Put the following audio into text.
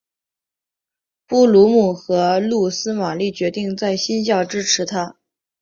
布卢姆和露丝玛丽决定在新校支持他。